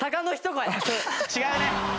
違うね。